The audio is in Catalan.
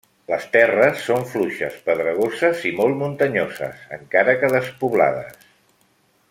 Les terres són fluixes, pedregoses i molt muntanyoses, encara que despoblades.